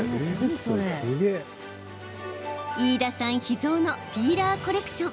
飯田さん秘蔵のピーラーコレクション。